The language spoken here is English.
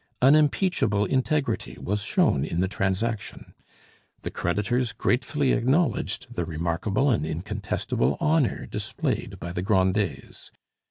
Unimpeachable integrity was shown in the transaction. The creditors gratefully acknowledged the remarkable and incontestable honor displayed by the Grandets.